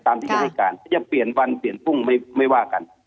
ที่จะให้การจะเปลี่ยนวันเปลี่ยนพรุ่งไม่ว่ากัน